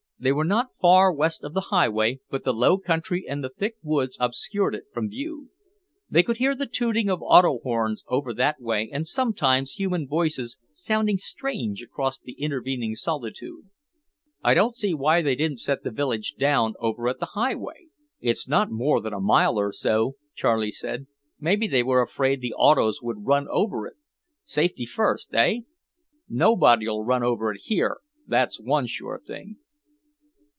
They were not far west of the highway but the low country and the thick woods obscured it from view. They could hear the tooting of auto horns over that way and sometimes human voices sounding strange across the intervening solitude. "I don't see why they didn't set the village down over at the highway; it's not more than a mile or so," Charlie said. "Maybe they were afraid the autos would run over it; safety first, hey? Nobody'll run over it here, that's one sure thing."